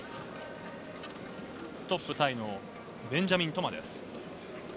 トップタイのベンジャミン・トマです。